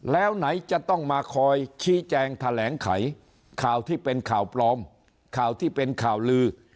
แล้วไหนจะต้องมาคอยชี้แจงแถลงไขข่าวที่เป็นข่าวปลอมข่าวที่เป็นข่าวลือ